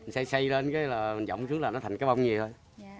xây xây lên cái mình dọng xuống là nó thành cái bông như vậy thôi